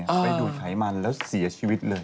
ไปดูดไขมันแล้วเสียชีวิตเลย